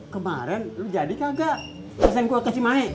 kemaren lo jadi kagak pesen gua ke si mae